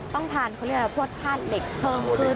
ต้องทานพวดภาษาเด็กเพิ่มขึ้น